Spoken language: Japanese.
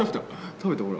食べたほら。